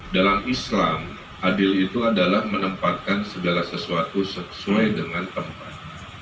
dalam islam adil itu adalah menempatkan segala sesuatu sesuai dengan tempat